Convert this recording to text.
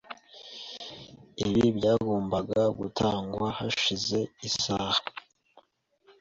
Ibi byagombaga gutangwa hashize isaha .